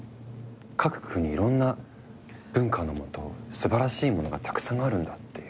各国いろんな文化のもと素晴らしいものがたくさんあるんだっていう。